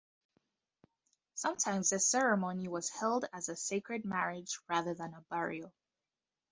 Sometimes the ceremony was held as a sacred marriage rather than a burial.